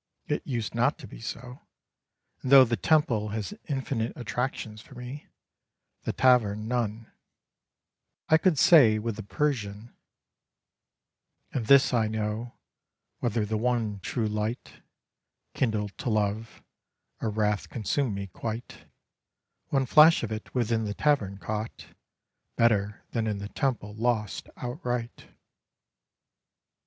It used not to be so; and though the temple has infinite attractions for me, the tavern none, I could say with the Persian "And this I know: whether the one True Light Kindle to love, or Wrath consume me quite, One Flash of It within the Tavern caught Better than in the Temple lost outright."